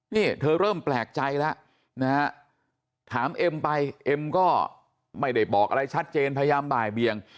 นี่เธอเริ่มแปลกใจแล้วนะฮะถามเอ็มไปเอ็มก็ไม่ได้บอกอะไรชัดเจนพยายามบ่ายเบียง